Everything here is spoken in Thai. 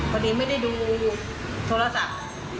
พอดีไม่ได้ดูโทรศัพท์